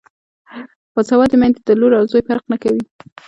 باسواده میندې د لور او زوی فرق نه کوي.